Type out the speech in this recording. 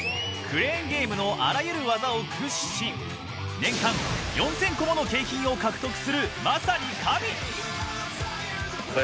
クレーンゲームのあらゆる技を駆使し年間４０００個もの景品を獲得する、まさに神！